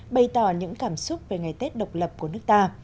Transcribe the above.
bày tỏ những cảm xúc về ngày tết độc lập của nước ta